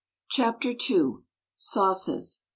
CHAPTER II. SAUCES.